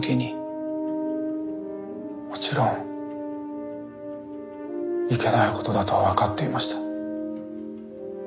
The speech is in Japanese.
もちろんいけない事だとはわかっていました。